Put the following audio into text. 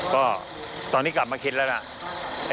ก็ตอนนี้กลับมาคิดแล้วนะ